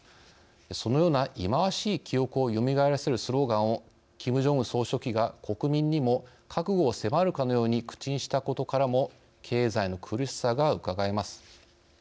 そのような忌まわしい記憶をよみがえらせるスローガンをキム・ジョンウン総書記が国民にも覚悟を迫るかのように口にしたことからも経済の苦しさがうかがえます。